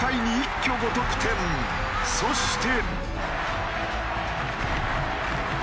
そして。